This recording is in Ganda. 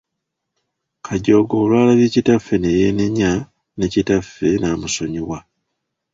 Kajooga olwalabye kitaffe ne yeenenya ne kitaffe n’amusonyiwa.